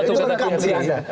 itu menekan diri anda